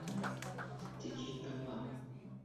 Тик һин тыңла!